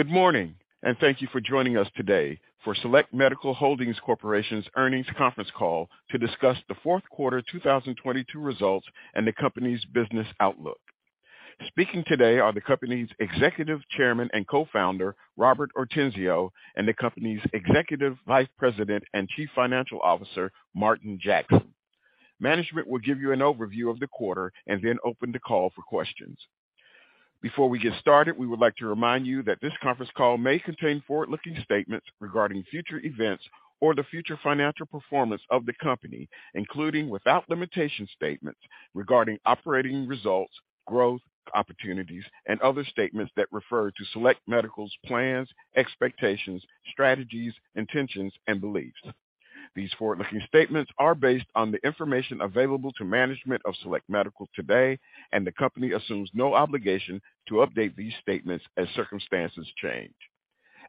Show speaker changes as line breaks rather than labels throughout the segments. Good morning, and thank you for joining us today for Select Medical Holdings Corporation's earnings conference call to discuss the fourth quarter 2022 results and the company's business outlook. Speaking today are the company's Executive Chairman and Co-Founder, Robert Ortenzio, and the company's Executive Vice President and Chief Financial Officer, Martin Jackson. Management will give you an overview of the quarter and then open the call for questions. Before we get started, we would like to remind you that this conference call may contain forward-looking statements regarding future events or the future financial performance of the company, including, without limitation, statements regarding operating results, growth, opportunities, and other statements that refer to Select Medical's plans, expectations, strategies, intentions, and beliefs. These forward-looking statements are based on the information available to management of Select Medical today. The company assumes no obligation to update these statements as circumstances change.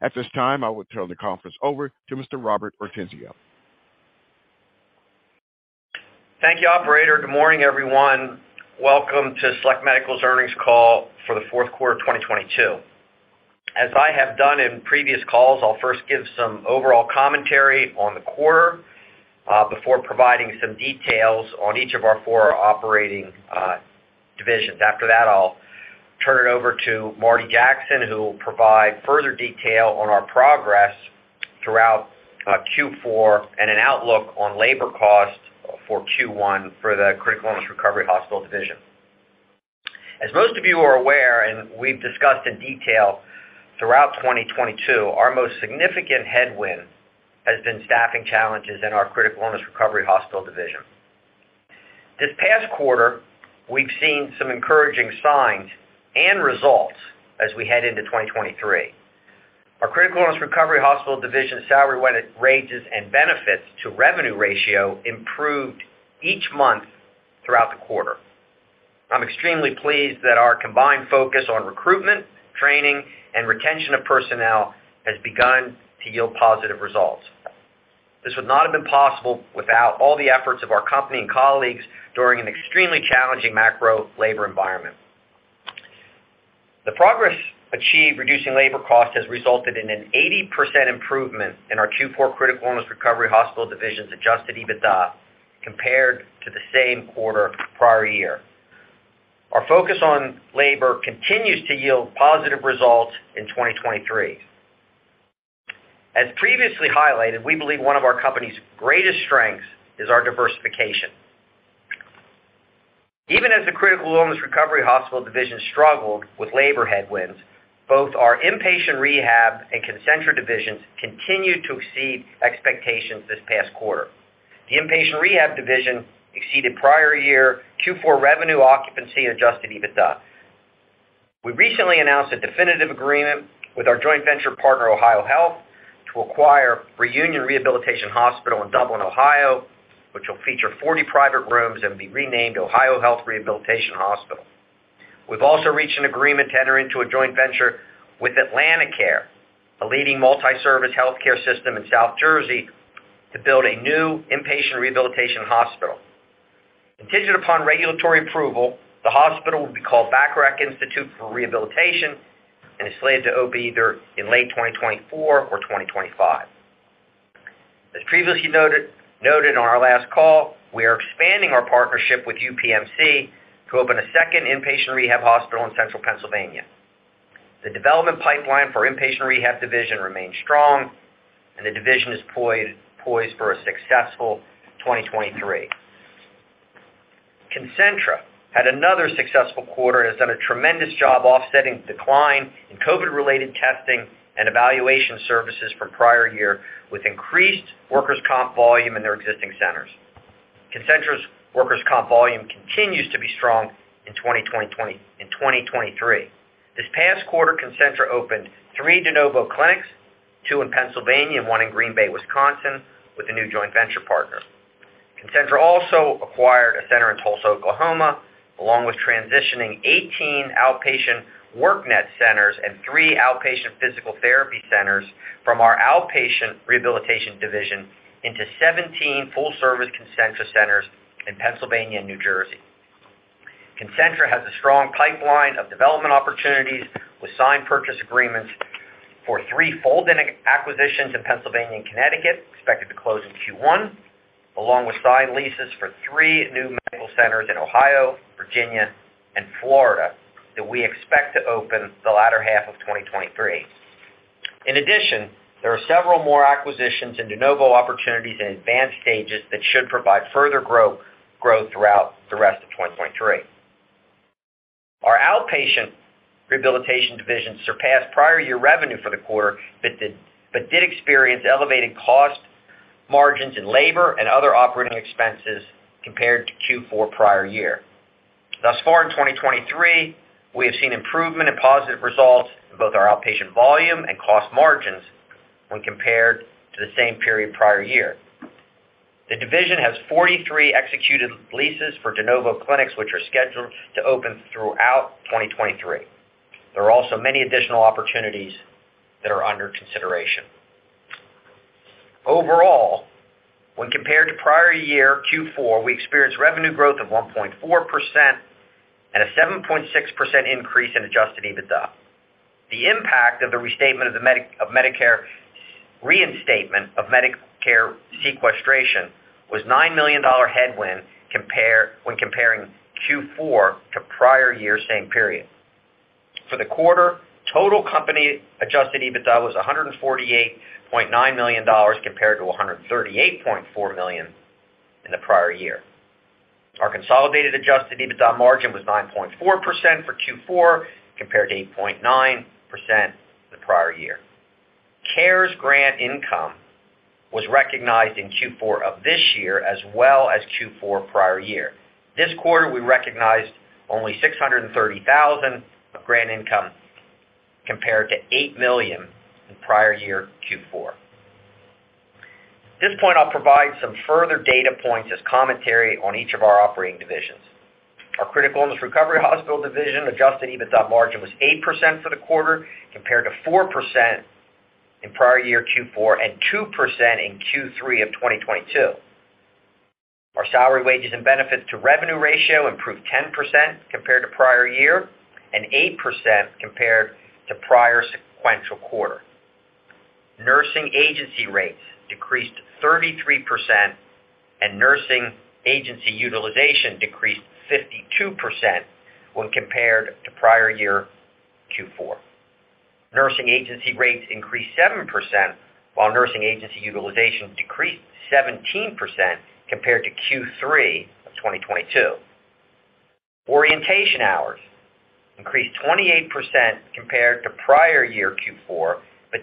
At this time, I will turn the conference over to Mr. Robert Ortenzio.
Thank you, operator. Good morning, everyone. Welcome to Select Medical's earnings call for the fourth quarter of 2022. As I have done in previous calls, I'll first give some overall commentary on the quarter, before providing some details on each of our four operating divisions. After that, I'll turn it over to Marty Jackson, who will provide further detail on our progress throughout Q4 and an outlook on labor costs for Q1 for the Critical Illness Recovery Hospital division. As most of you are aware, and we've discussed in detail throughout 2022, our most significant headwind has been staffing challenges in our Critical Illness Recovery Hospital division. This past quarter, we've seen some encouraging signs and results as we head into 2023. Our Critical Illness Recovery Hospital division salary wages and benefits to revenue ratio improved each month throughout the quarter. I'm extremely pleased that our combined focus on recruitment, training, and retention of personnel has begun to yield positive results. This would not have been possible without all the efforts of our company and colleagues during an extremely challenging macro labor environment. The progress achieved reducing labor costs has resulted in an 80% improvement in our Q4 Critical Illness Recovery Hospital division's adjusted EBITDA compared to the same quarter prior year. Our focus on labor continues to yield positive results in 2023. As previously highlighted, we believe one of our company's greatest strengths is our diversification. Even as the Critical Illness Recovery Hospital division struggled with labor headwinds, both our inpatient rehab and Concentra divisions continued to exceed expectations this past quarter. The inpatient rehab division exceeded prior year Q4 revenue occupancy adjusted EBITDA. We recently announced a definitive agreement with our joint venture partner, OhioHealth, to acquire Reunion Rehabilitation Hospital in Dublin, Ohio, which will feature 40 private rooms and be renamed OhioHealth Rehabilitation Hospital. We've also reached an agreement to enter into a joint venture with AtlantiCare, a leading multi-service healthcare system in South Jersey, to build a new inpatient rehabilitation hospital. Contingent upon regulatory approval, the hospital will be called Bacharach Institute for Rehabilitation and is slated to open either in late 2024 or 2025. As previously noted on our last call, we are expanding our partnership with UPMC to open a second inpatient rehab hospital in central Pennsylvania. The development pipeline for inpatient rehab division remains strong, and the division is poised for a successful 2023. Concentra had another successful quarter and has done a tremendous job offsetting the decline in COVID-related testing and evaluation services from prior year with increased workers' comp volume in their existing centers. Concentra's workers' comp volume continues to be strong in 2023. This past quarter, Concentra opened three de novo clinics, two in Pennsylvania and one in Green Bay, Wisconsin, with a new joint venture partner. Concentra also acquired a center in Tulsa, Oklahoma, along with transitioning 18 outpatient WORKNET centers and three outpatient physical therapy centers from our outpatient rehabilitation division into 17 full-service Concentra centers in Pennsylvania and New Jersey. Concentra has a strong pipeline of development opportunities with signed purchase agreements for three fold-in acquisitions in Pennsylvania and Connecticut, expected to close in Q1, along with signed leases for three new medical centers in Ohio, Virginia, and Florida that we expect to open the latter half of 2023. There are several more acquisitions and de novo opportunities in advanced stages that should provide further growth throughout the rest of 2023. Our outpatient rehabilitation division surpassed prior year revenue for the quarter, but did experience elevated cost margins in labor and other operating expenses compared to Q4 prior year. Thus far in 2023, we have seen improvement in positive results in both our outpatient volume and cost margins when compared to the same period prior year. The division has 43 executed leases for de novo clinics, which are scheduled to open throughout 2023. There are also many additional opportunities that are under consideration. Overall, when compared to prior year Q4, we experienced revenue growth of 1.4% and a 7.6% increase in adjusted EBITDA. The impact of the reinstatement of Medicare sequestration was a $9 million headwind when comparing Q4 to prior year same period. For the quarter, total company adjusted EBITDA was $148.9 million compared to $138.4 million in the prior year. Our consolidated adjusted EBITDA margin was 9.4% for Q4 compared to 8.9% the prior year. CARES grant income was recognized in Q4 of this year as well as Q4 prior year. This quarter, we recognized only $630,000 of grant income compared to $8 million in prior year Q4. At this point, I'll provide some further data points as commentary on each of our operating divisions. Our Critical Illness Recovery Hospital division adjusted EBITDA margin was 8% for the quarter, compared to 4% in prior year Q4 and 2% in Q3 of 2022. Our salary, wages, and benefits to revenue ratio improved 10% compared to prior year and 8% compared to prior sequential quarter. Nursing agency rates decreased 33%, nursing agency utilization decreased 52% when compared to prior year Q4. Nursing agency rates increased 7%, while nursing agency utilization decreased 17% compared to Q3 of 2022. Orientation hours increased 28% compared to prior year Q4,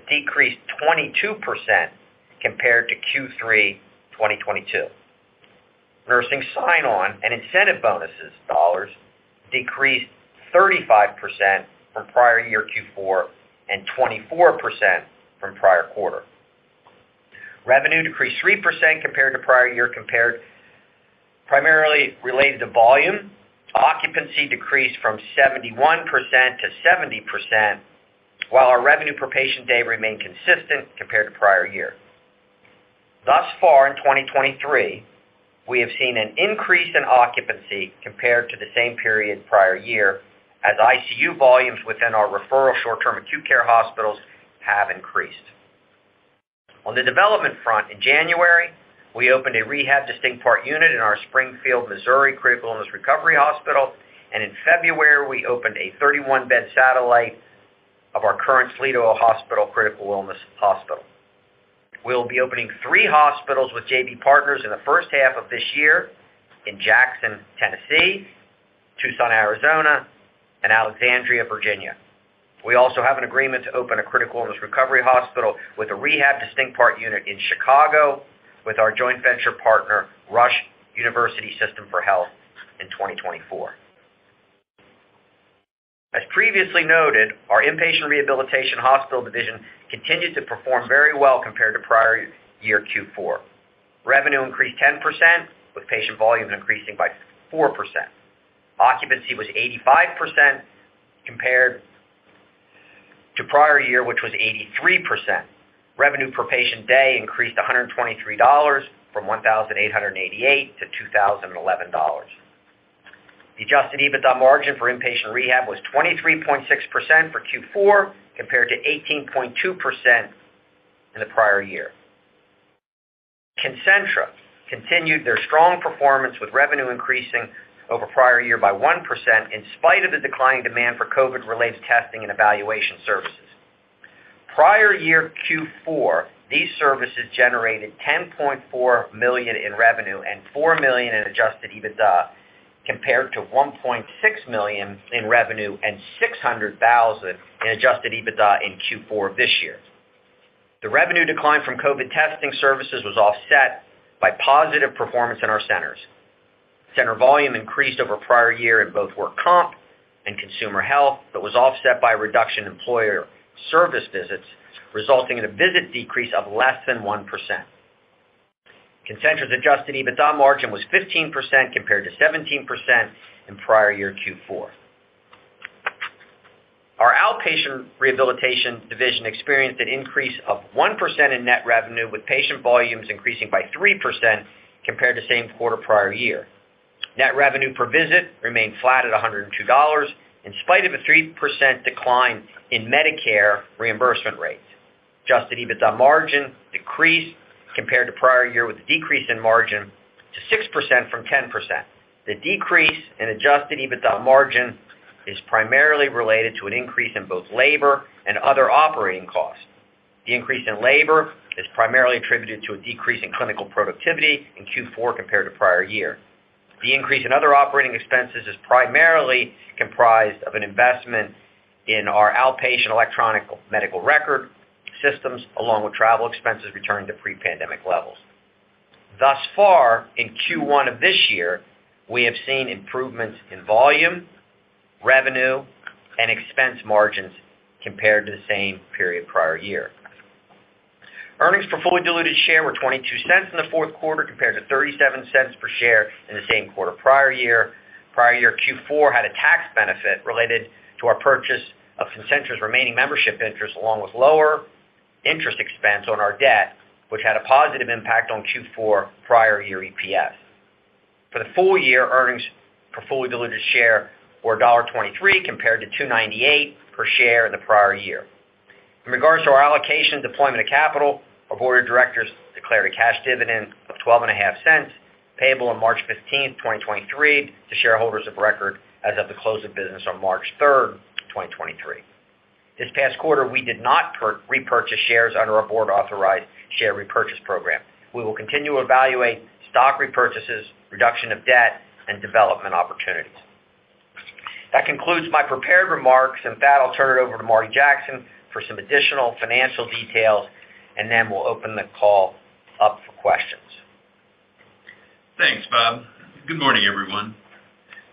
decreased 22% compared to Q3 2022. Nursing sign-on and incentive bonuses dollars decreased 35% from prior year Q4, and 24% from prior quarter. Revenue decreased 3% compared to prior year primarily related to volume. Occupancy decreased from 71% to 70%, while our revenue per patient day remained consistent compared to prior year. Thus far in 2023, we have seen an increase in occupancy compared to the same period prior year as ICU volumes within our referral short-term acute care hospitals have increased. On the development front, in January, we opened a rehab distinct part unit in our Springfield, Missouri Critical Illness Recovery Hospital, and in February, we opened a 31-bed satellite of our current Flint Hospital, Critical Illness Hospital. We'll be opening three hospitals with JV Partners in the first half of this year in Jackson, Tennessee, Tucson, Arizona, and Alexandria, Virginia. We also have an agreement to open a Critical Illness Recovery Hospital with a rehab distinct part unit in Chicago with our joint venture partner, Rush University System for Health in 2024. As previously noted, our Inpatient Rehabilitation Hospital division continued to perform very well compared to prior year Q4. Revenue increased 10%, with patient volumes increasing by 4%. Occupancy was 85% compared to prior year, which was 83%. Revenue per patient day increased $123 from $1,888 to $2,011. The adjusted EBITDA margin for inpatient rehab was 23.6% for Q4 compared to 18.2% in the prior year. Concentra continued their strong performance with revenue increasing over prior year by 1% in spite of the declining demand for COVID-related testing and evaluation services. Prior year Q4, these services generated $10.4 million in revenue and $4 million in adjusted EBITDA, compared to $1.6 million in revenue and $600,000 in adjusted EBITDA in Q4 this year. The revenue decline from COVID testing services was offset by positive performance in our centers. Center volume increased over prior year in both work comp and consumer health, but was offset by a reduction in employer service visits, resulting in a visit decrease of less than 1%. Concentra's adjusted EBITDA margin was 15% compared to 17% in prior year Q4. Our outpatient rehabilitation division experienced an increase of 1% in net revenue, with patient volumes increasing by 3% compared to same quarter prior year. Net revenue per visit remained flat at $102 in spite of a 3% decline in Medicare reimbursement rates. Adjusted EBITDA margin decreased compared to prior year with a decrease in margin to 6% from 10%. The decrease in adjusted EBITDA margin is primarily related to an increase in both labor and other operating costs. The increase in labor is primarily attributed to a decrease in clinical productivity in Q4 compared to prior year. The increase in other operating expenses is primarily comprised of an investment in our outpatient electronic medical record systems, along with travel expenses returning to pre-pandemic levels. In Q1 of this year, we have seen improvements in volume, revenue, and expense margins compared to the same period prior year. Earnings per fully diluted share were $0.22 in the fourth quarter compared to $0.37 per share in the same quarter prior year. Prior year Q4 had a tax benefit related to our purchase of Concentra's remaining membership interest, along with lower interest expense on our debt, which had a positive impact on Q4 prior year EPS. For the full year, earnings per fully diluted share were $1.23 compared to $2.98 per share in the prior year. In regards to our allocation deployment of capital, our board of directors declared a cash dividend of $0.125, payable on March 15th, 2023, to shareholders of record as of the close of business on March 3rd, 2023. This past quarter, we did not repurchase shares under our board authorized share repurchase program. We will continue to evaluate stock repurchases, reduction of debt, and development opportunities. That concludes my prepared remarks, and with that, I'll turn it over to Marty Jackson for some additional financial details, and then we'll open the call up for questions.
Thanks, Bob. Good morning, everyone.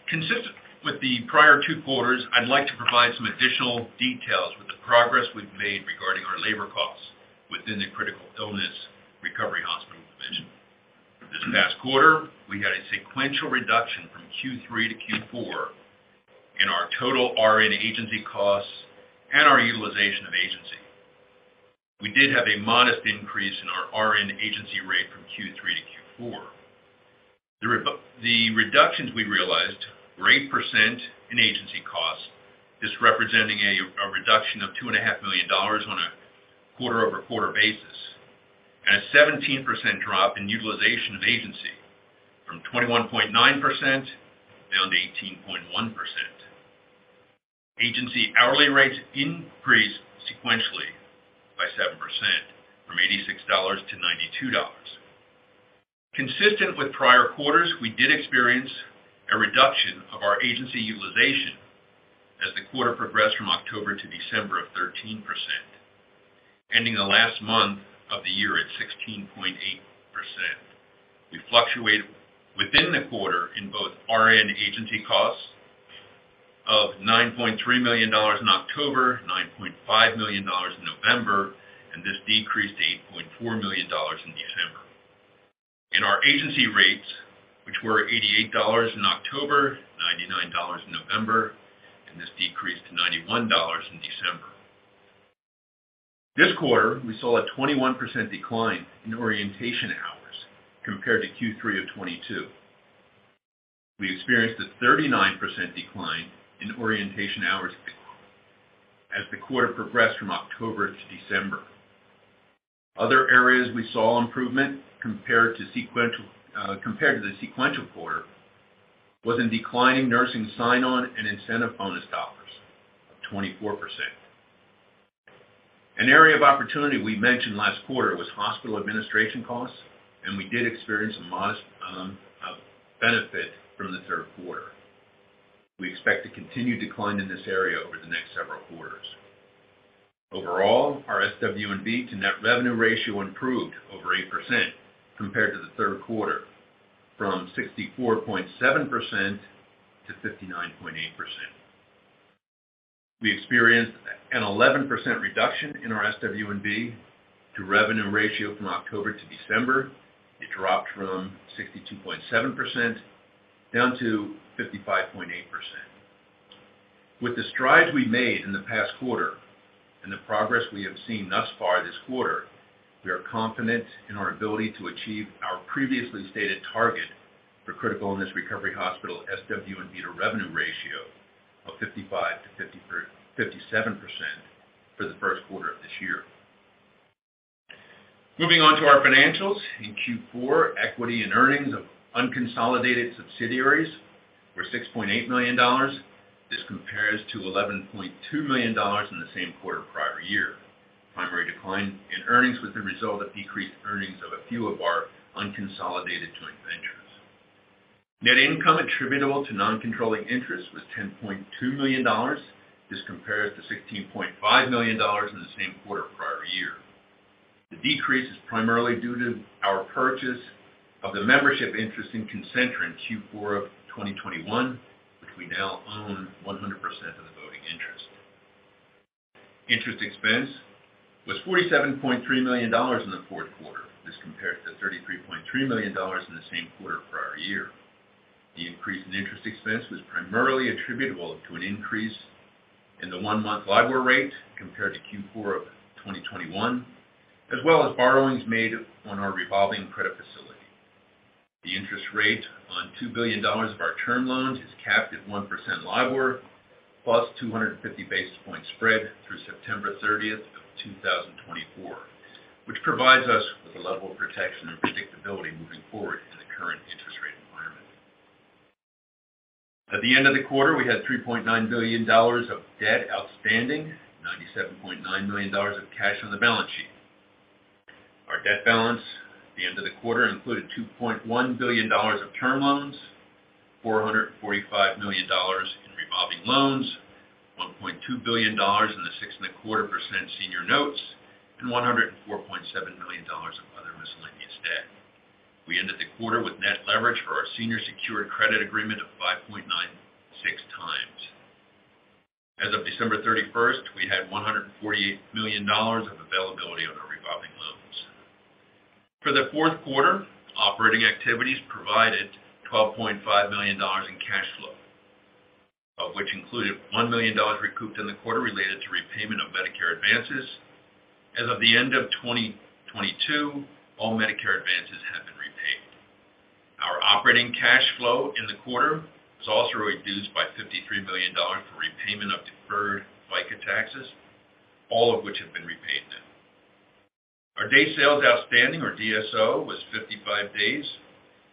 Consistent with the prior two quarters, I'd like to provide some additional details with the progress we've made regarding our labor costs within the Critical Illness Recovery Hospital division. This past quarter, we had a sequential reduction from Q3 to Q4 in our total RN agency costs and our utilization of agency. We did have a modest increase in our RN agency rate from Q3 to Q4. The reductions we realized were 8% in agency costs, this representing a reduction of two and a half million dollars on a quarter-over-quarter basis, and a 17% drop in utilization of agency from 21.9% down to 18.1%. Agency hourly rates increased sequentially by 7% from $86 to $92. Consistent with prior quarters, we did experience a reduction of our agency utilization as the quarter progressed from October to December of 13%, ending the last month of the year at 16.8%. We fluctuated within the quarter in both RN agency costs of $9.3 million in October, $9.5 million in November, and this decreased to $8.4 million in December. In our agency rates, which were $88 in October, $99 in November, and this decreased to $91 in December. This quarter, we saw a 21% decline in orientation hours compared to Q3 of 2022. We experienced a 39% decline in orientation hours as the quarter progressed from October to December. Other areas we saw improvement compared to sequential... compared to the sequential quarter was in declining nursing sign-on and incentive bonus dollars of 24%. An area of opportunity we mentioned last quarter was hospital administration costs, we did experience a modest benefit from the third quarter. We expect to continue decline in this area over the next several quarters. Overall, our SW&B to net revenue ratio improved over 8% compared to the third quarter from 64.7% to 59.8%. We experienced an 11% reduction in our SW&B to revenue ratio from October to December. It dropped from 62.7% down to 55.8%. With the strides we made in the past quarter and the progress we have seen thus far this quarter, we are confident in our ability to achieve our previously stated target for Critical Illness Recovery Hospital SW&B to revenue ratio of 55%-57% for the first quarter of this year. Moving on to our financials. In Q4, equity and earnings of unconsolidated subsidiaries were $6.8 million. This compares to $11.2 million in the same quarter prior year. Primary decline in earnings was the result of decreased earnings of a few of our unconsolidated joint ventures. Net income attributable to non-controlling interest was $10.2 million. This compares to $16.5 million in the same quarter prior year. The decrease is primarily due to our purchase of the membership interest in Concentra in Q4 of 2021, which we now own 100% of the voting interest. Interest expense was $47.3 million in the fourth quarter. This compares to $33.3 million in the same quarter prior year. The increase in interest expense was primarily attributable to an increase in the one-month LIBOR rate compared to Q4 of 2021, as well as borrowings made on our revolving credit facility. The interest rate on $2 billion of our term loans is capped at 1% LIBOR plus 250 basis points spread through September 30th of 2024, which provides us with a level of protection and predictability moving forward in the current interest rate environment. At the end of the quarter, we had $3.9 billion of debt outstanding, $97.9 million of cash on the balance sheet. Our debt balance at the end of the quarter included $2.1 billion of term loans, $445 million in revolving loans, $1.2 billion in the 6.25% senior notes, and $104.7 million of other miscellaneous debt. We ended the quarter with net leverage for our senior secured credit agreement of 5.96 times. As of December 31st, we had $148 million of availability. For the fourth quarter, operating activities provided $12.5 million in cash flow, of which included $1 million recouped in the quarter related to repayment of Medicare advances. As of the end of 2022, all Medicare advances have been repaid. Our operating cash flow in the quarter was also reduced by $53 million for repayment of deferred FICA taxes, all of which have been repaid now. Our days sales outstanding, or DSO, was 55 days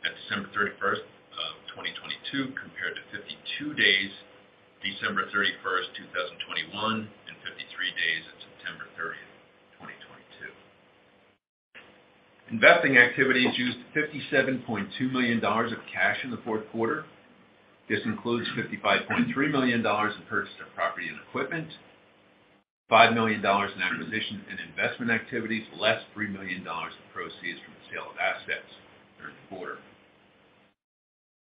at December 31st of 2022, compared to 52 days December 31st, 2021, and 53 days at September 30th, 2022. Investing activities used $57.2 million of cash in the fourth quarter. This includes $55.3 million in purchase of property and equipment, $5 million in acquisition and investment activities, less $3 million in proceeds from the sale of assets during the quarter.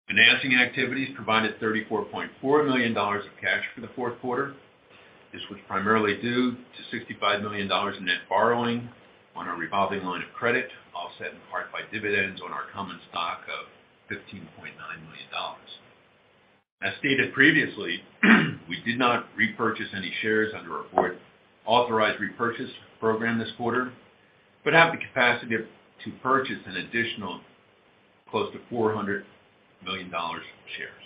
Financing activities provided $34.4 million of cash for the fourth quarter. This was primarily due to $65 million in net borrowing on our revolving line of credit, offset in part by dividends on our common stock of $15.9 million. As stated previously, we did not repurchase any shares under our fourth authorized repurchase program this quarter, but have the capacity to purchase an additional close to $400 million in shares.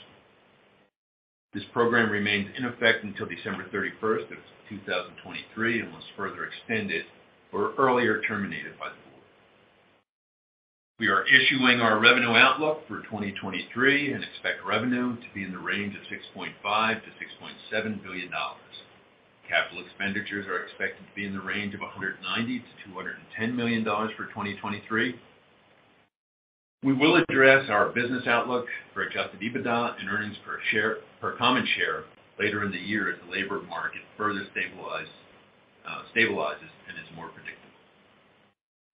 This program remains in effect until December 31st, 2023, unless further extended or earlier terminated by the board. We are issuing our revenue outlook for 2023 and expect revenue to be in the range of $6.5 billion-$6.7 billion. Capital expenditures are expected to be in the range of $190 million-$210 million for 2023. We will address our business outlook for adjusted EBITDA and earnings per common share later in the year as the labor market further stabilizes and is more predictable.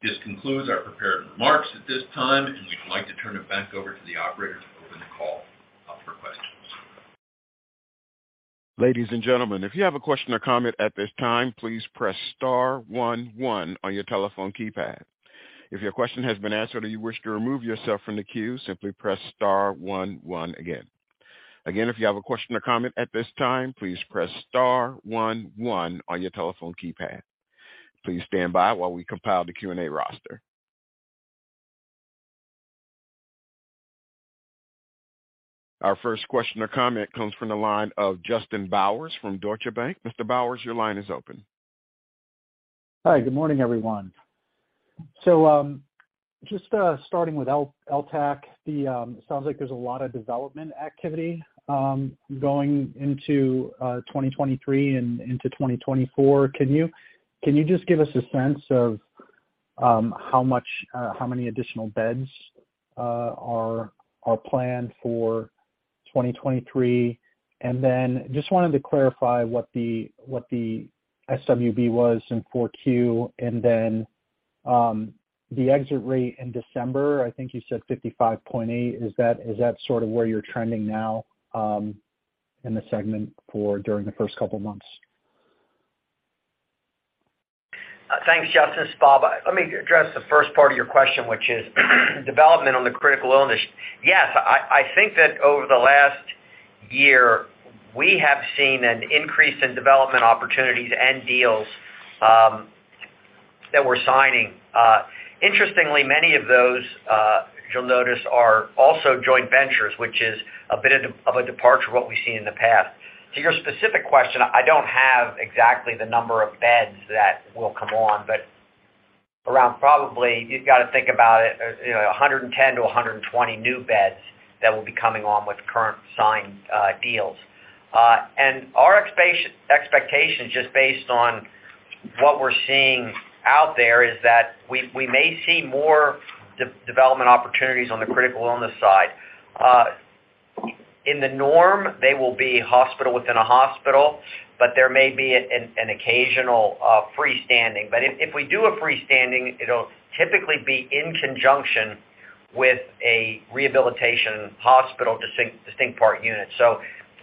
This concludes our prepared remarks at this time. We would like to turn it back over to the operator to open the call up for questions.
Ladies and gentlemen, if you have a question or comment at this time, please press star one one on your telephone keypad. If your question has been answered or you wish to remove yourself from the queue, simply press star one one again. Again, if you have a question or comment at this time, please press star one one on your telephone keypad. Please stand by while we compile the Q&A roster. Our first question or comment comes from the line of Justin Bowers from Deutsche Bank. Mr. Bowers, your line is open.
Hi. Good morning, everyone. Just starting with LTAC, the It sounds like there's a lot of development activity going into 2023 and into 2024. Can you just give us a sense of how much how many additional beds are planned for 2023? Just wanted to clarify what the SWB was in 4Q and then the exit rate in December, I think you said 55.8%. Is that sort of where you're trending now in the segment for during the first couple months?
Thanks, Justin. It's Bob. Let me address the first part of your question, which is development on the critical illness. Yes, I think that over the last year, we have seen an increase in development opportunities and deals that we're signing. Interestingly, many of those, you'll notice, are also joint ventures, which is a bit of a, of a departure of what we've seen in the past. To your specific question, I don't have exactly the number of beds that will come on, but around probably you've got to think about it, you know, 110 to 120 new beds that will be coming on with current signed deals. Our expectation, just based on what we're seeing out there, is that we may see more development opportunities on the critical illness side. In the norm, they will be hospital within a hospital, but there may be an occasional freestanding. If we do a freestanding, it'll typically be in conjunction with a rehabilitation hospital distinct part unit.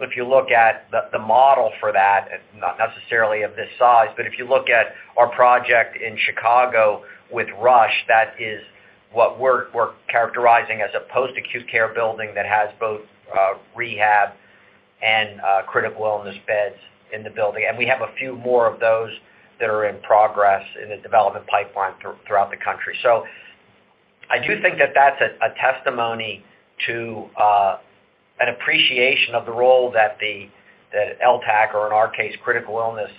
If you look at the model for that, not necessarily of this size, but if you look at our project in Chicago with RUSH, that is what we're characterizing as a post-acute care building that has both rehab and critical illness beds in the building. We have a few more of those that are in progress in the development pipeline throughout the country. I do think that that's a testimony to an appreciation of the role that LTAC or, in our case, Critical Illness,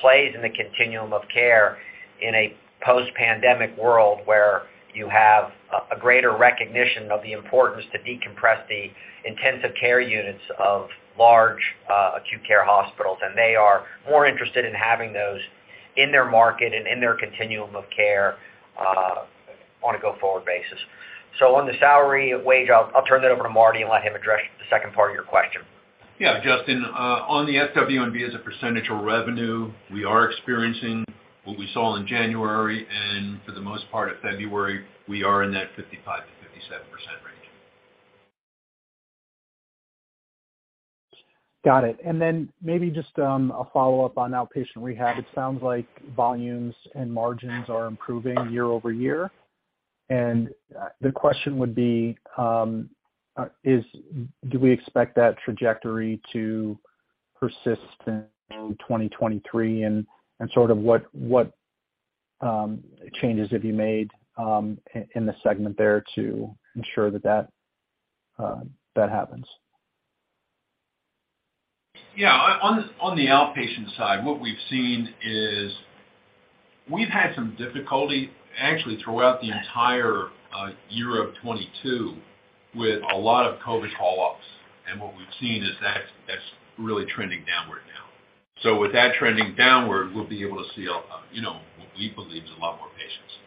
plays in the continuum of care in a post-pandemic world where you have a greater recognition of the importance to decompress the intensive care units of large acute care hospitals. They are more interested in having those in their market and in their continuum of care on a go-forward basis. On the salary wage, I'll turn that over to Marty and let him address the second part of your question.
Justin, on the SW&B as a percentage of revenue, we are experiencing what we saw in January, and for the most part of February, we are in that 55%-57% range.
Got it. Then maybe just a follow-up on outpatient rehab. It sounds like volumes and margins are improving year-over-year. The question would be, is do we expect that trajectory to persist in 2023? Sort of what changes have you made in the segment there to ensure that that happens?
Yeah. On the outpatient side, what we've seen is we've had some difficulty actually throughout the entire year of 2022 with a lot of COVID hold-ups. What we've seen is that's really trending downward now. With that trending downward, we'll be able to see, you know, what we believe is a lot more patients.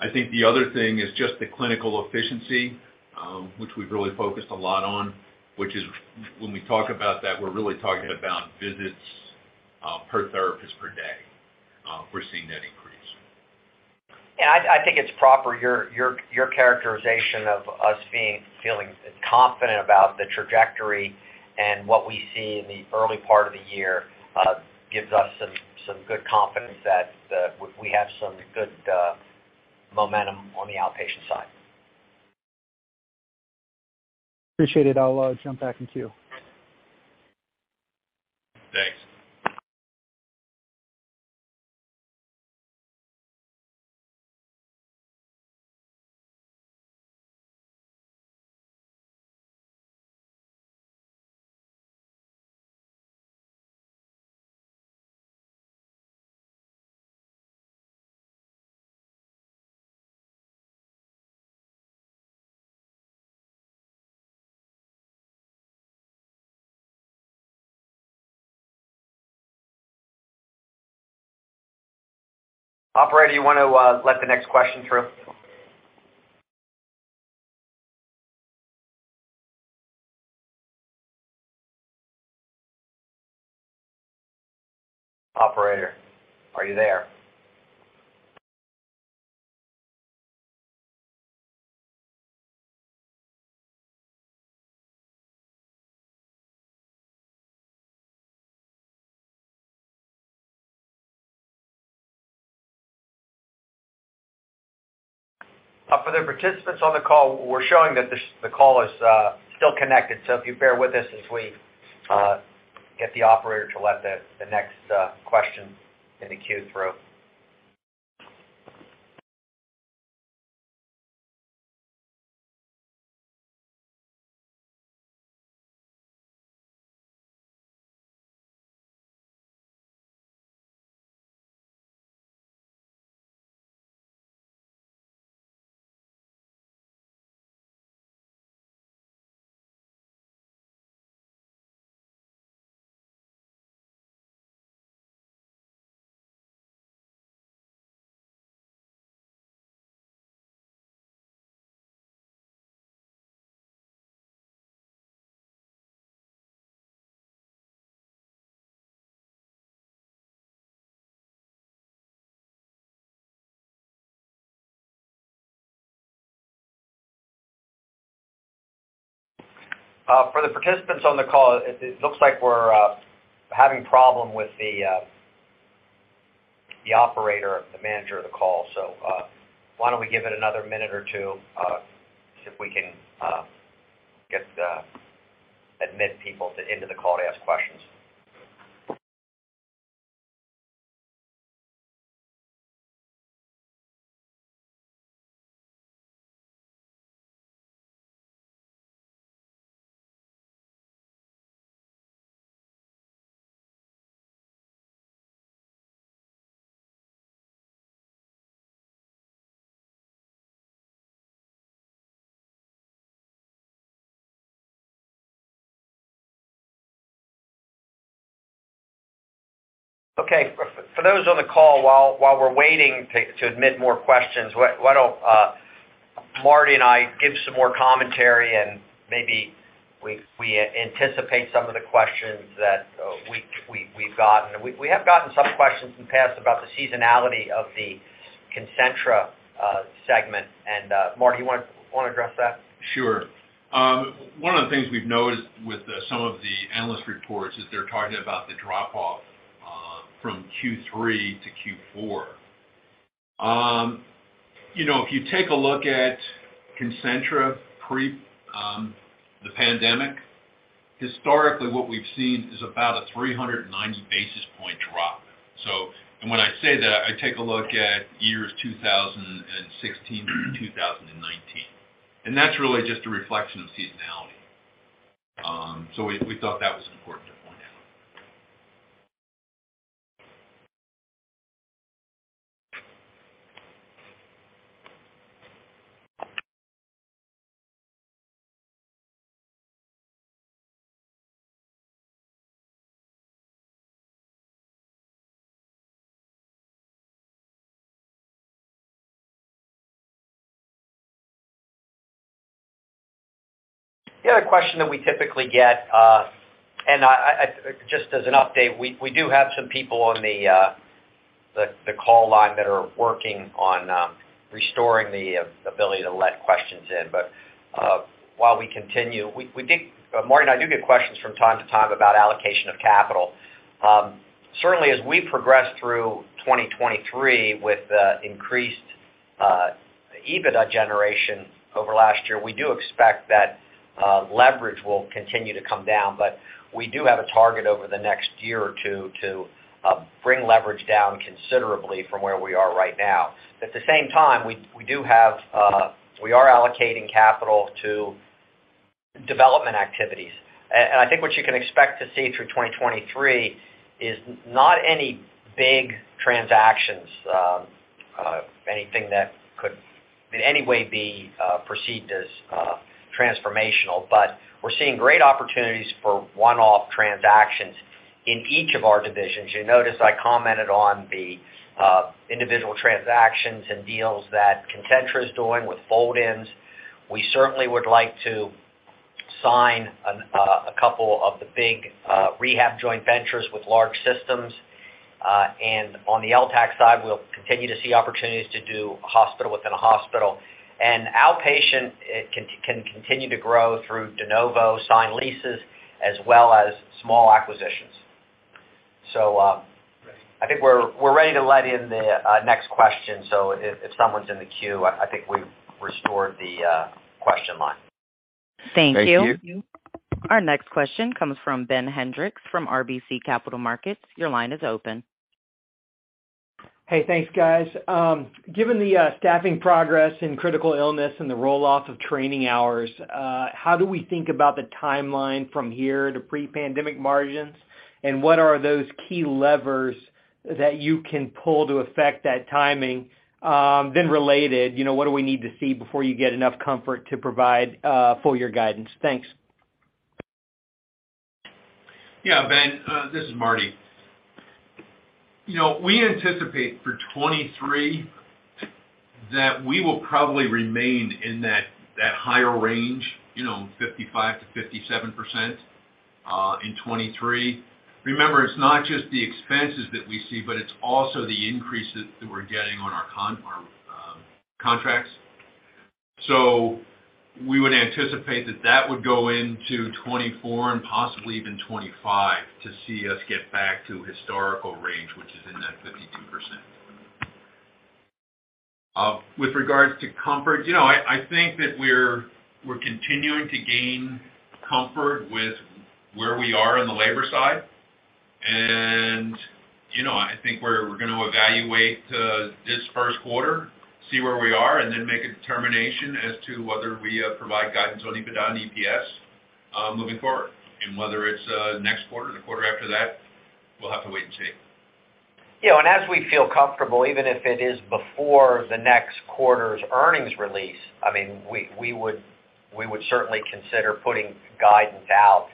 I think the other thing is just the clinical efficiency, which we've really focused a lot on, which is when we talk about that, we're really talking about visits per therapist per day. We're seeing that increase.
Yeah. I think it's proper your characterization of us feeling confident about the trajectory and what we see in the early part of the year, gives us some good confidence that we have some good momentum on the outpatient side.
Appreciate it. I'll jump back in queue.
Thanks.
Operator, you wanna let the next question through? Operator, are you there? For the participants on the call, we're showing that the call is still connected. If you bear with us as we get the operator to let the next question in the queue through. For the participants on the call, it looks like we're having problem with the operator, the manager of the call. Why don't we give it another minute or two, see if we can get admit people into the call to ask questions. Okay. For those on the call, while we're waiting to admit more questions, why don't Marty and I give some more commentary and maybe we anticipate some of the questions that we've gotten. We have gotten some questions in the past about the seasonality of the Concentra segment. Marty, wanna address that?
Sure. One of the things we've noticed with some of the analyst reports is they're talking about the drop-off from Q3 to Q4. You know, if you take a look at Concentra pre, the pandemic, historically what we've seen is about a 390 basis point drop. When I say that, I take a look at years 2016 through 2019, and that's really just a reflection of seasonality. We thought that was important to point out.
The other question that we typically get. I, just as an update, we do have some people on the call line that are working on restoring the ability to let questions in. While we continue, Marty and I do get questions from time to time about allocation of capital. Certainly, as we progress through 2023 with the increased EBITDA generation over last year, we do expect that leverage will continue to come down. We do have a target over the next year or two to bring leverage down considerably from where we are right now. At the same time, we do have. We are allocating capital to development activities. I think what you can expect to see through 2023 is not any big transactions, anything that could in any way be perceived as transformational. We're seeing great opportunities for one-off transactions in each of our divisions. You notice I commented on the individual transactions and deals that Concentra is doing with fold-ins. We certainly would like to sign a couple of the big rehab joint ventures with large systems. On the LTAC side, we'll continue to see opportunities to do hospital within a hospital. Outpatient, it can continue to grow through de novo signed leases as well as small acquisitions. I think we're ready to let in the next question. If someone's in the queue, I think we've restored the question line.
Thank you.
Thank you.
Our next question comes from Ben Hendrix from RBC Capital Markets. Your line is open.
Hey, thanks, guys. Given the staffing progress in critical illness and the roll-off of training hours, how do we think about the timeline from here to pre-pandemic margins, and what are those key levers that you can pull to affect that timing? Related, you know, what do we need to see before you get enough comfort to provide full year guidance? Thanks.
Ben, this is Marty. You know, we anticipate for 2023 that we will probably remain in that higher range, you know, 55%-57% in 2023. Remember, it's not just the expenses that we see, but it's also the increases that we're getting on our contracts. We would anticipate that that would go into 2024 and possibly even 2025 to see us get back to historical range, which is in that 52%. With regards to comfort, you know, I think that we're continuing to gain comfort with where we are on the labor side. You know, I think we're gonna evaluate this first quarter, see where we are, and then make a determination as to whether we provide guidance on EBITDA and EPS moving forward. Whether it's next quarter, the quarter after that, we'll have to wait and see.
As we feel comfortable, even if it is before the next quarter's earnings release, I mean, we would certainly consider putting guidance out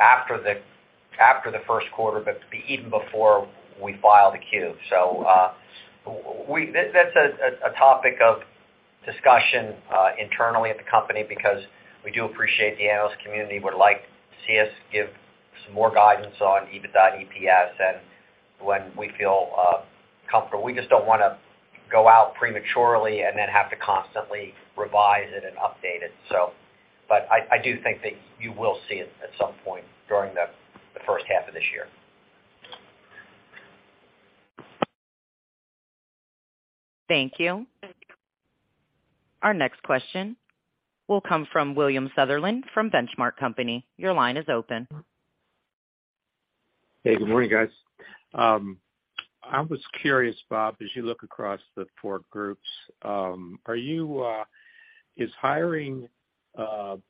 after the first quarter, but even before we file the Q. That's a topic of discussion internally at the company because we do appreciate the analyst community would like to see us give some more guidance on EBITDA and EPS. When we feel comfortable, we just don't wanna go out prematurely and then have to constantly revise it and update it. I do think that you will see it at some point during the first half of this year.
Thank you. Our next question will come from William Sutherland from Benchmark Company. Your line is open.
Hey, good morning, guys. I was curious, Bob, as you look across the four groups, Is hiring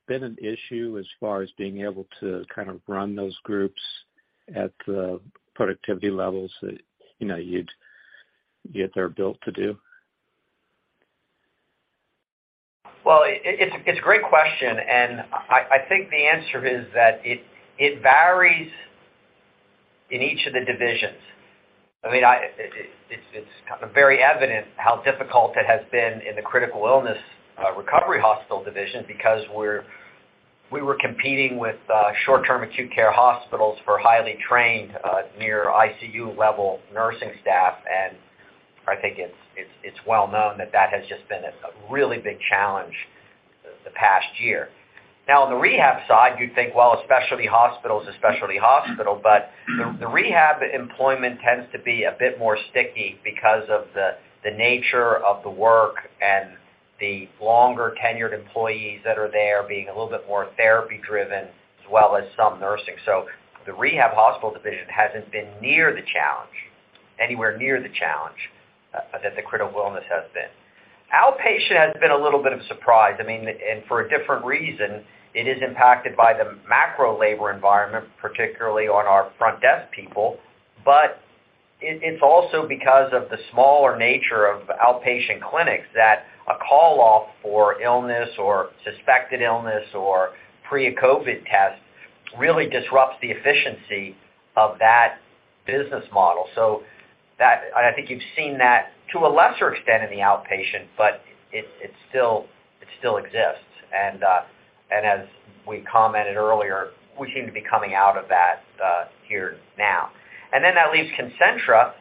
been an issue as far as being able to kind of run those groups at the productivity levels that, you know, you'd get they're built to do?
Well, it's a great question. I think the answer is that it varies in each of the divisions. I mean, it's kind of very evident how difficult it has been in the Critical Illness Recovery Hospital division because we were competing with short-term acute care hospitals for highly trained, near ICU level nursing staff. I think it's well known that that has just been a really big challenge the past year. Now on the rehab side, you'd think, well, a specialty hospital is a specialty hospital, but the rehab employment tends to be a bit more sticky because of the nature of the work and the longer tenured employees that are there being a little bit more therapy-driven as well as some nursing. The rehab hospital division hasn't been near the challenge, anywhere near the challenge, that the critical illness has been. Outpatient has been a little bit of a surprise. I mean, for a different reason, it is impacted by the macro labor environment, particularly on our front desk people. It's also because of the smaller nature of outpatient clinics that a call off for illness or suspected illness or pre-COVID tests really disrupts the efficiency of that business model. I think you've seen that to a lesser extent in the outpatient, it still exists. As we commented earlier, we seem to be coming out of that here now. That leaves Concentra.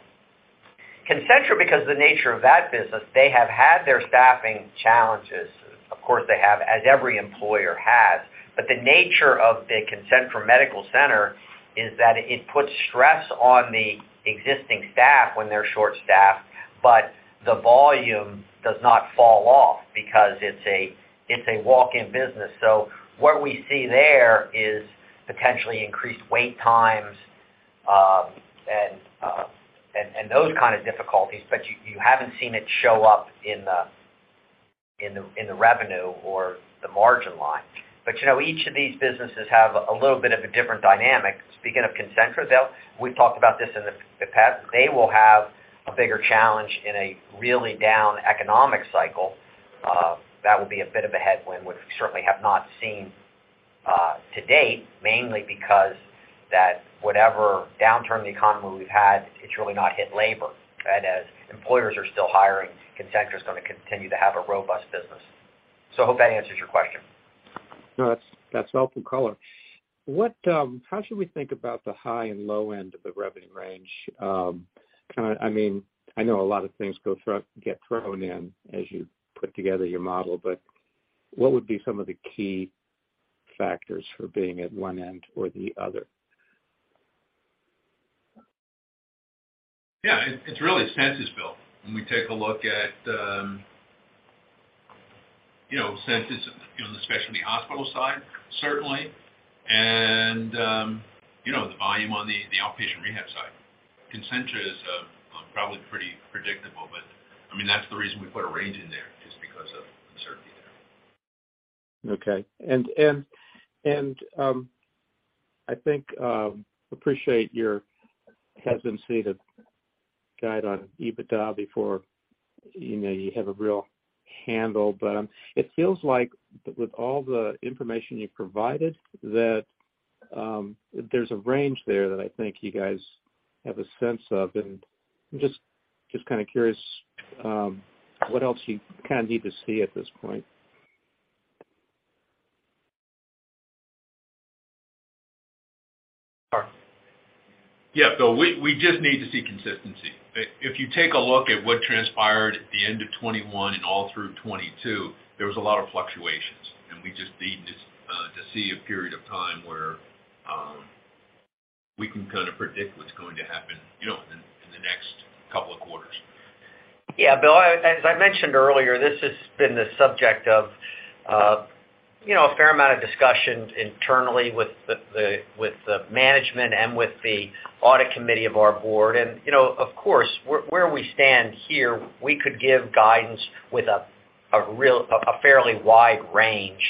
Concentra, because the nature of that business, they have had their staffing challenges. Of course, they have, as every employer has. The nature of the Concentra Medical Center is that it puts stress on the existing staff when they're short-staffed, but the volume does not fall off because it's a walk-in business. What we see there is potentially increased wait times, and those kind of difficulties, but you haven't seen it show up in the revenue or the margin line. You know, each of these businesses have a little bit of a different dynamic. Speaking of Concentra, we've talked about this in the past, they will have a bigger challenge in a really down economic cycle. That would be a bit of a headwind, which we certainly have not seen to date, mainly because that whatever downturn in the economy we've had, it's really not hit labor. As employers are still hiring, Concentra is gonna continue to have a robust business. Hope that answers your question.
No, that's helpful color. What... How should we think about the high and low end of the revenue range? Kinda, I mean, I know a lot of things get thrown in as you put together your model, but what would be some of the key factors for being at one end or the other?
Yeah, it's really expenses, Bill. When we take a look at, you know, expenses, you know, especially the hospital side, certainly, and, you know, the volume on the outpatient rehab side. Concentra is probably pretty predictable, but, I mean, that's the reason we put a range in there, is because of the uncertainty there.
Okay. I think appreciate your hesitancy to guide on EBITDA before, you know, you have a real handle. It feels like with all the information you've provided that there's a range there that I think you guys have a sense of, and I'm just kinda curious what else you kinda need to see at this point?
Yeah. Bill, we just need to see consistency. If you take a look at what transpired at the end of 2021 and all through 2022, there was a lot of fluctuations, we just need to see a period of time where we can kinda predict what's going to happen, you know, in the next couple of quarters.
Yeah, Bill, as I mentioned earlier, this has been the subject of, you know, a fair amount of discussion internally with the management and with the audit committee of our board. You know, of course, where we stand here, we could give guidance with a fairly wide range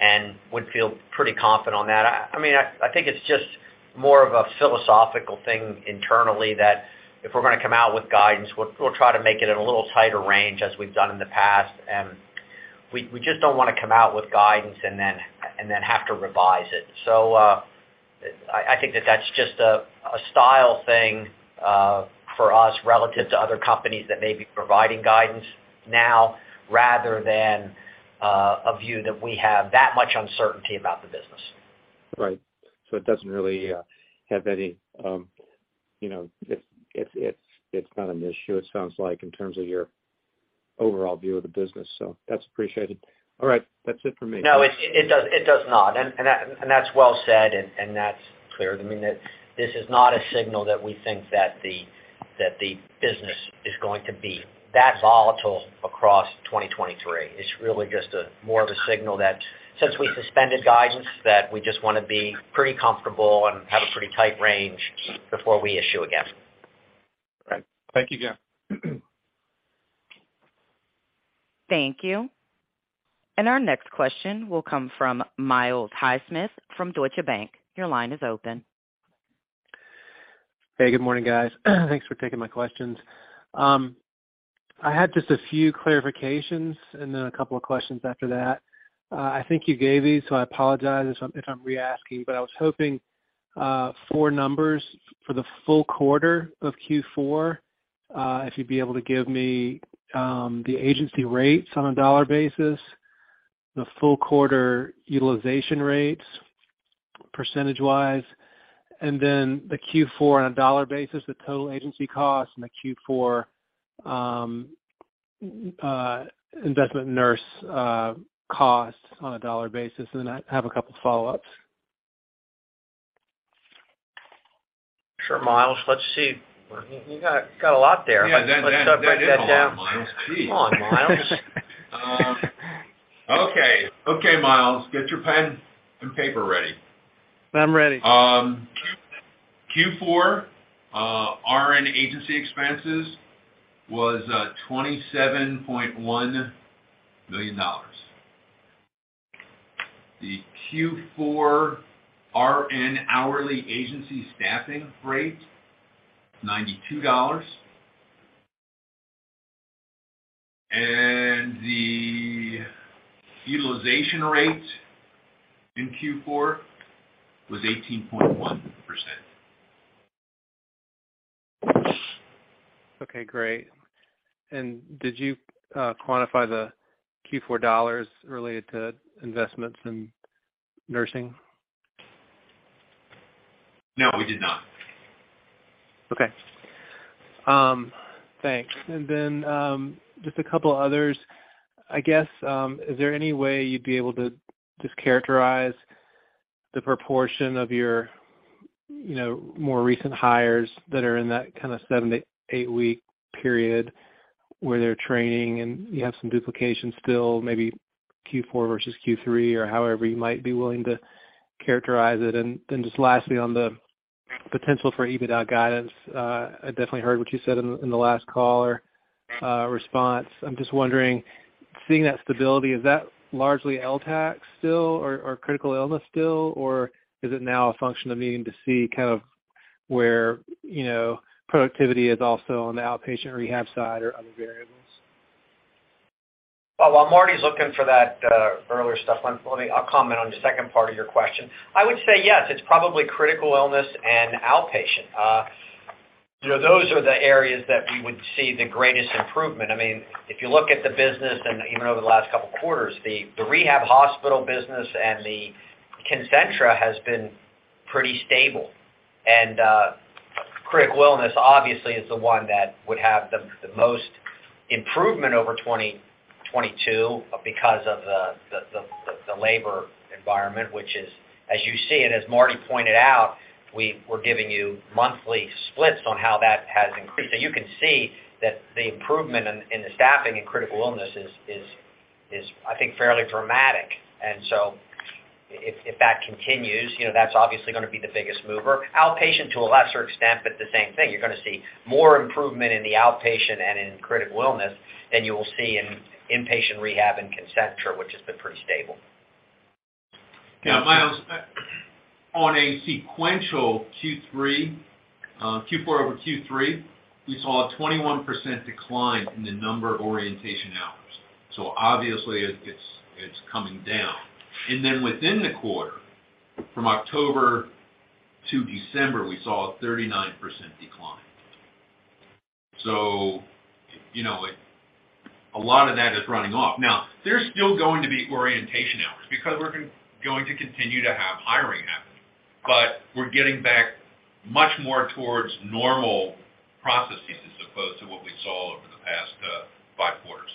and would feel pretty confident on that. I mean, I think it's just more of a philosophical thing internally that if we're gonna come out with guidance, we'll try to make it in a little tighter range as we've done in the past. We just don't wanna come out with guidance and then have to revise it. I think that that's just a style thing for us relative to other companies that may be providing guidance now rather than a view that we have that much uncertainty about the business.
Right. It doesn't really have any, you know, it's not an issue, it sounds like, in terms of your overall view of the business. That's appreciated. All right. That's it for me.
No, it does not. That's well said, and that's clear to me that this is not a signal that we think that the business is going to be that volatile across 2023. It's really just a more of a signal that since we suspended guidance, that we just wanna be pretty comfortable and have a pretty tight range before we issue again.
Right. Thank you guys.
Thank you. Our next question will come from Miles Highsmith from Deutsche Bank. Your line is open.
Hey, good morning, guys. Thanks for taking my questions. I had just a few clarifications and then a couple of questions after that. I think you gave these, so I apologize if I'm, if I'm re-asking, but I was hoping, for numbers for the full quarter of Q4. If you'd be able to give me the agency rates on a dollar basis, the full quarter utilization rates percentage-wise, and then the Q4 on a dollar basis, the total agency costs and the Q4 investment nurse costs on a dollar basis, and then I have a couple follow-ups.
Sure, Miles. Let's see. You got a lot there.
Yeah. That is a lot, Miles. Geez.
Come on, Miles.
Okay. Okay, Miles. Get your pen and paper ready.
I'm ready.
Q4 RN agency expenses was $27.1 million. The Q4 RN hourly agency staffing rate, $92. The utilization rate in Q4 was 18.1%.
Okay, great. Did you quantify the Q4 dollars related to investments in nursing?
No, we did not.
Okay. Thanks. Just a couple others. I guess, is there any way you'd be able to just characterize the proportion of your, you know, more recent hires that are in that kinda seven to eight-week period where they're training and you have some duplication still, maybe Q4 versus Q3 or however you might be willing to characterize it? Just lastly, on the potential for EBITDA guidance, I definitely heard what you said in the last call or response. I'm just wondering, seeing that stability, is that largely LTAC still or Critical Illness still, or is it now a function of needing to see kind of where, you know, productivity is also on the outpatient rehab side or other variables?
Well, while Marty's looking for that earlier stuff, I'll comment on the second part of your question. I would say yes, it's probably critical illness and outpatient. You know, those are the areas that we would see the greatest improvement. I mean, if you look at the business and even over the last couple quarters, the rehab hospital business and Concentra has been pretty stable. Critical illness obviously is the one that would have the most improvement over 2022 because of the labor environment, which is, as you see and as Marty pointed out, we're giving you monthly splits on how that has increased. You can see that the improvement in the staffing in critical illness is I think, fairly dramatic. If that continues, you know, that's obviously gonna be the biggest mover. Outpatient to a lesser extent, but the same thing. You're gonna see more improvement in the outpatient and in critical illness than you will see in inpatient rehab and Concentra, which has been pretty stable.
Miles, on a sequential Q3, Q4 over Q3, we saw a 21% decline in the number of orientation hours. Obviously it's coming down. Within the quarter, from October to December, we saw a 39% decline. You know, a lot of that is running off. Now, there's still going to be orientation hours because we're going to continue to have hiring happening, but we're getting back much more towards normal processes as opposed to what we saw over the past five quarters.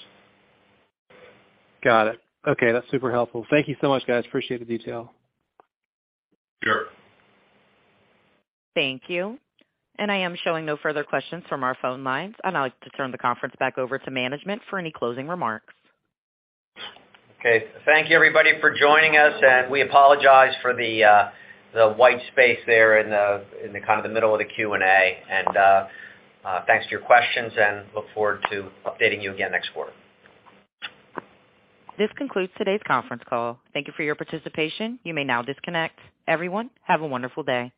Got it. Okay, that's super helpful. Thank you so much, guys. Appreciate the detail.
Sure.
Thank you. I am showing no further questions from our phone lines, I'd now like to turn the conference back over to management for any closing remarks.
Okay. Thank you, everybody, for joining us, and we apologize for the white space there in the kind of the middle of the Q&A. Thanks for your questions and look forward to updating you again next quarter.
This concludes today's conference call. Thank you for your participation. You may now disconnect. Everyone, have a wonderful day.